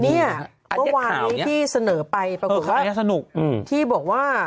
ก็วานนี้ที่เสนอไปปรากฏว่าที่บอกว่า